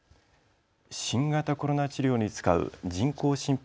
新型コロナ治療に使う人工心肺